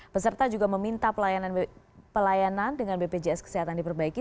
peserta juga meminta pelayanan dengan bpjs kesehatan diperbaiki